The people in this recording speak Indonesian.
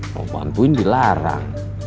mau bantuin dilarang